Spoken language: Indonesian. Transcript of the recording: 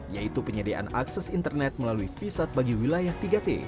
yaitu penyediaan akses internet melalui visat bagi wilayah tiga t